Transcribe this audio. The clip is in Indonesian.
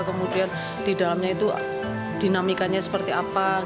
kemudian di dalamnya itu dinamikanya seperti apa